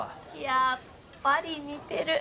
やっぱり似てる！